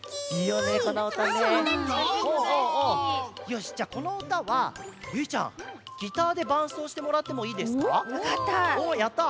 よしじゃあこのうたはゆいちゃんギターでばんそうしてもらってもいいですか？わかった。